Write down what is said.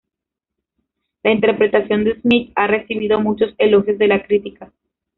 La interpretación de Smith ha recibido muchos elogios de la crítica.